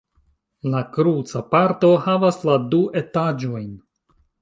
La kruca parto havas la du etaĝojn.